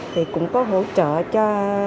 thì cũng có hỗ trợ cho